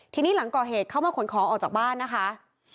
ทีนี้หลังก่อเหตุเข้ามาขนของออกจากบ้านนะคะ